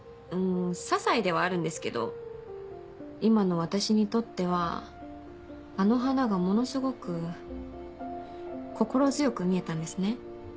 些細ではあるんですけど今の私にとってはあの花がものすごく心強く見えたんですね。